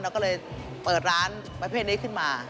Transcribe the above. เราก็เลยเปิดร้านประเภทนี้ขึ้นมา